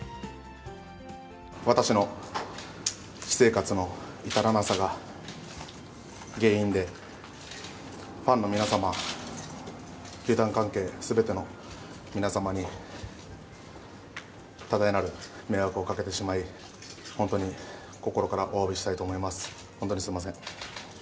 私の私生活の至らなさが原因で、ファンの皆様、球団関係すべての皆様に、多大なる迷惑をかけてしまい、本当に心からおわびしたいと思います。